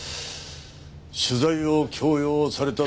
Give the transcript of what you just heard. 取材を強要されたと。